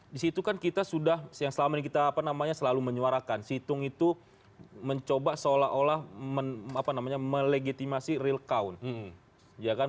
disitu kan kita sudah selalu menyuarakan situng itu mencoba seolah olah melegitimasi real count